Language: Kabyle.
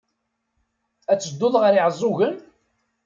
Ad tedduḍ ɣer Iɛeẓẓugen?